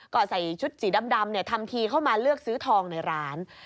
ก็ใส่ชุดสีดำทำทีเข้ามาเลือกซื้อทองในร้าน